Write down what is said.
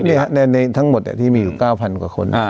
เนี้ยในในทั้งหมดเนี้ยที่มีอยู่เก้าพันกว่าคนอ่า